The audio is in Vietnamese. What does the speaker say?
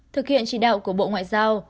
thực hiện chỉ đạo của bộ ngoại giao